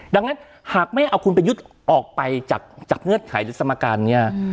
ดังนั้นหากไม่เอาคุณประยุทธ์ออกไปจากเงื่อนไขหรือสมการเนี่ย